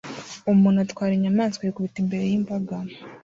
Umuntu atwara inyamaswa yikubita imbere yimbaga